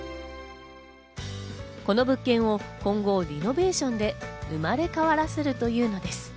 この物件を今後、リノベーションで生まれ変わらせるというのです。